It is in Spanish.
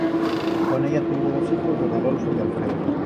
Con ella tuvo dos hijos: Rodolfo y Alfredo.